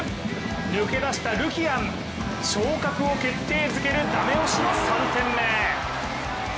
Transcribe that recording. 抜け出したルキアン、昇格を決定づけるダメ押しの３点目！